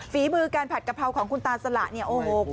ฝีมือการผัดกะเพราของคุณตาสละเนี่ยโอ้โห